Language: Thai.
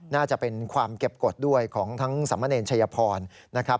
น่าจะเป็นความเก็บกฎด้วยของทั้งสามเณรชัยพรนะครับ